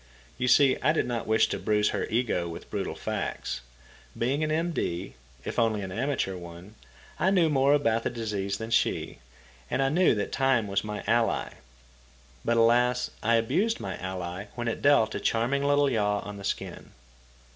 You see, I did not wish to bruise her ego with brutal facts. Being an M.D., if only an amateur one, I knew more about the disease than she, and I knew that time was my ally. But alas, I abused my ally when it dealt a charming little yaw on the shin.